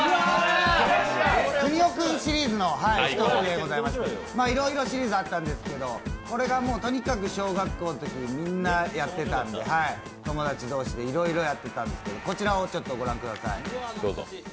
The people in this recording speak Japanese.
「くにおくんシリーズ」の一つでして、いろいろシリーズあったんですけど、これがとにかく小学校のときやってたんで友達同士でいろいろやってたんですけど、こちらご覧ください。